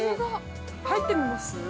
◆入ってみます？